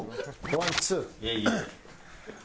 ワンツー。